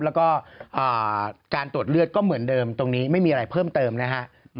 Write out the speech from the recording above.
แล้วก็การตรวจเลือดก็เหมือนเดิมตรงนี้ไม่มีอะไรเพิ่มเติมนะฮะ